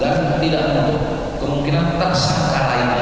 dan tidak untuk kemungkinan tersangka lainnya